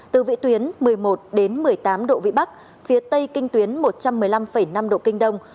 từ vị tuyến một mươi một đến một mươi tám độ vĩ bắc phía tây kinh tuyến một trăm một mươi năm năm độ kinh đông